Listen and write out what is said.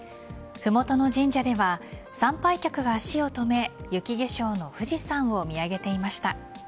麓の神社では参拝客が足を止め雪化粧の富士山を見上げていました。